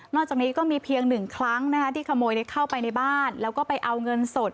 จากนี้ก็มีเพียงหนึ่งครั้งนะคะที่ขโมยเข้าไปในบ้านแล้วก็ไปเอาเงินสด